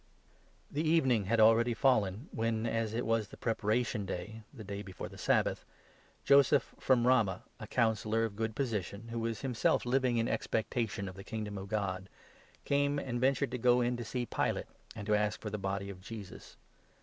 The Burial The evening had already fallen, when, as it was 42 of jesus. the Preparation Day — the day before the Sabbath — Joseph from Ramah, a Councillor of good position, who was 43 himself living in expectation of the Kingdom of God, came and ventured to go in to see Pilate, and to ask for the body of Jesus.